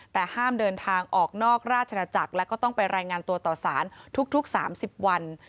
แต่ห้ามเดินทางออกนอกราชนาจักรแล้วก็ต้องไปรายงานตัวต่อสารทุก๓๐วัน